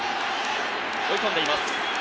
追い込んでいます。